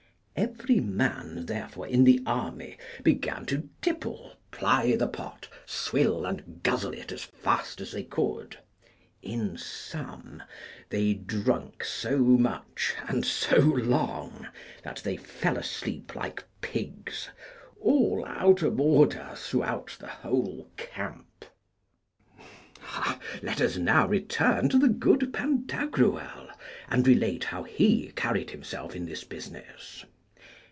Every man, therefore, in the army began to tipple, ply the pot, swill and guzzle it as fast as they could. In sum, they drunk so much, and so long, that they fell asleep like pigs, all out of order throughout the whole camp. Let us now return to the good Pantagruel, and relate how he carried himself in this business.